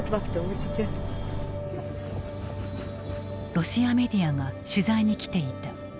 ロシアメディアが取材に来ていた。